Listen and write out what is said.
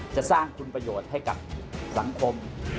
จะสร้างคุณประโยชน์ให้กับสังคม